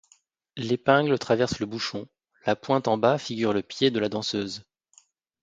L'épingle traverse le bouchon, la pointe en bas figure le pied de la danseuse.